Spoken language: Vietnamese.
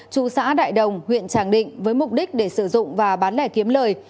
trụ xã đại đồng huyện tràng định với mục đích để sử dụng và bán lẻ kiếm lời